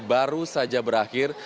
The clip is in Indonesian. baru saja berakhir